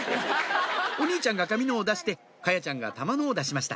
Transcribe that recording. お兄ちゃんが紙のを出して華彩ちゃんが玉のを出しました